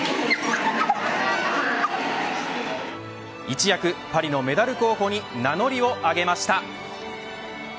一躍パリのメダル候補に名乗りをあげました。